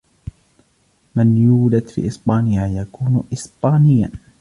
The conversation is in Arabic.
من يولد في اسبانيا يكون اسبانياً.